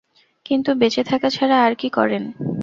কিন্তু বেঁচে থাকা ছাড়া আর কী করেন?